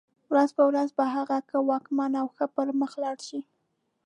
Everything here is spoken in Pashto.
ورځ په ورځ په هغه کې ځواکمن او ښه پرمخ لاړ شي.